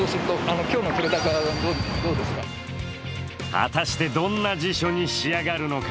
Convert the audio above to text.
果たしてどんな辞書に仕上がるのか。